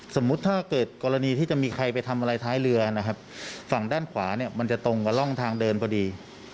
สมมุติถ้าเกิดกรณีที่จะมีใครไปทำอะไรท้ายเรือนะครับฝั่งด้านขวาเนี่ยมันจะตรงกับร่องทางเดินพอดี